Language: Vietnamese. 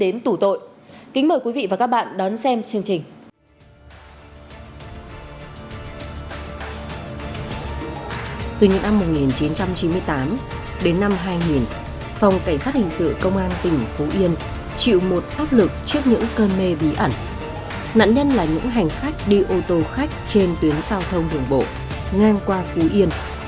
nạn nhân là những hành khách đi ô tô khách trên tuyến giao thông đường bộ ngang qua phú yên